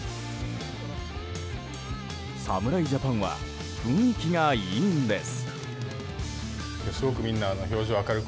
侍ジャパンは雰囲気がいいんです。